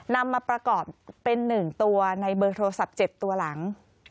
นำมาประกอบเป็น๑ตัวในเบอร์โทรศัพท์๗ตัวหลัง